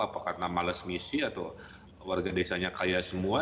apa karena males ngisi atau warga desanya kaya semua